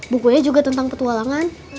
bukunya juga tentang petualangan